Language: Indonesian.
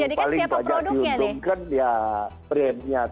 yang paling banyak diuntungkan ya primnya